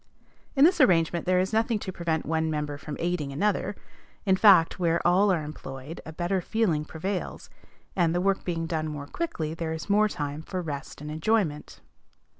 In this arrangement there is nothing to prevent one member from aiding another; in fact, where all are employed, a better feeling prevails, and, the work being done more quickly, there is more time for rest and enjoyment.